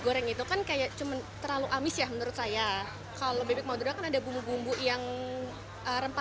goreng itu kan kayak cuman terlalu amis ya menurut saya kalau bebek madura kan ada bumbu bumbu yang rempah